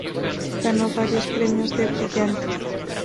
Ganó varios premios de brillantez.